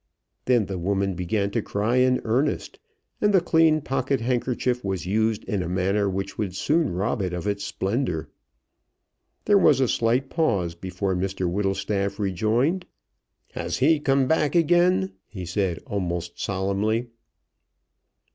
Then the woman began to cry in earnest, and the clean pocket handkerchief was used in a manner which would soon rob it of its splendour. There was a slight pause before Mr Whittlestaff rejoined. "Has he come back again?" he said, almost solemnly.